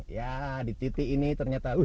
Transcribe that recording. ya di titik ini ternyata